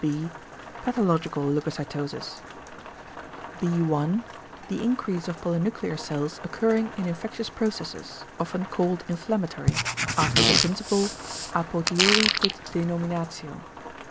B. =pathological leucocytosis=. 1. The increase of polynuclear cells occurring in infectious processes, often called inflammatory, after the principle "a potiori fit denominatio."